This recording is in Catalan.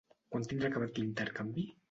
Quan tindrà acabat l'intercanvi?